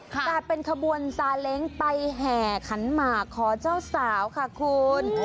แต่เป็นขบวนซาเล้งไปแห่ขันหมากขอเจ้าสาวค่ะคุณ